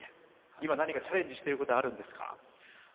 今、何かチャレンジしてることあるんですか？